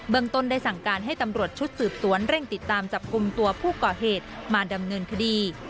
ต้นได้สั่งการให้ตำรวจชุดสืบสวนเร่งติดตามจับกลุ่มตัวผู้ก่อเหตุมาดำเนินคดี